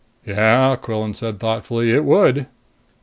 "Yeah," Quillan said thoughtfully. "It would."